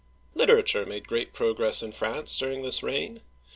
Literature made great progress in France during this reign.